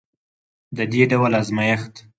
د دې ډول ازمیښت